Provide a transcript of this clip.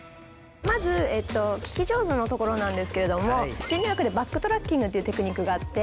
まず聞き上手のところなんですけれども心理学でバックトラッキングっていうテクニックがあって。